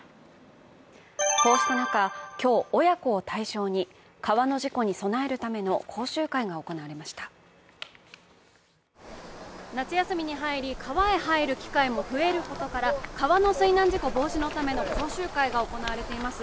こうした中、今日、親子を対象に川の事故に備えるための夏休みに入り、川へ入る機会も増えることから川の水難事故防止のための講習会が行われています。